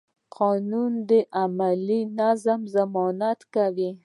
قانون د عملي نظم ضمانت کوي.